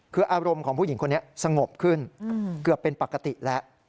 คืออารมณ์ของผู้หญิงคนนี้สงบขึ้นเกือบเป็นปกติแล้ว